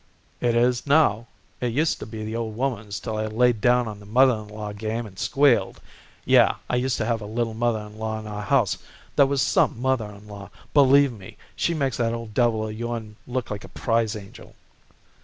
"It is, now. It used to be the old woman's till I laid down on the mother in law game and squealed. Yeh, I used to have a little mother in law in our house that was some mother in law. Believe me, she makes that old devil of yourn look like a prize angel."